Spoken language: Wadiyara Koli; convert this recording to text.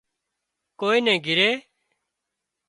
ڪوئي نِي گھري